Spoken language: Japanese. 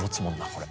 これ。